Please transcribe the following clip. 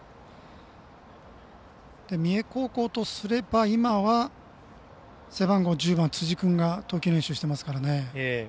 三重高校とすれば今は背番号１０番、辻君が投球練習していますから。